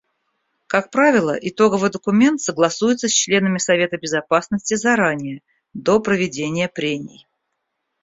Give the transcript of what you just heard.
Как правило, итоговый документ согласуется с членами Совета Безопасности заранее, до проведения прений.